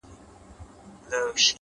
علم د جهالت تر ټولو لوی دښمن دی!